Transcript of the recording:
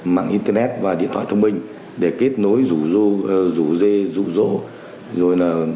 mạng internet và điện thoại thông minh để kết nối rủ dê rụ rỗ